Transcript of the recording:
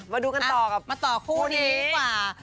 มาดูกันต่อกับมาต่อคู่นี้ดีกว่า